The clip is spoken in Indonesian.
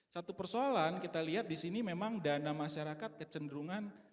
satu persoalan kita lihat di sini memang dana masyarakat kecenderungan